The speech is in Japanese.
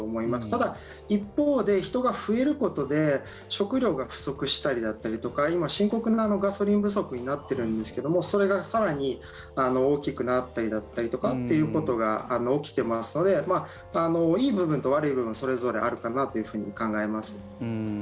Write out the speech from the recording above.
ただ、一方で人が増えることで食料が不足したりだったりとか今、深刻なガソリン不足になってるんですけどもそれが更に大きくなったりだとかということが起きていますのでいい部分と悪い部分それぞれあるかなと考えます。